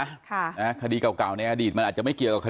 ค่ะนะคดีเก่าเก่าในอดีตมันอาจจะไม่เกี่ยวกับคดี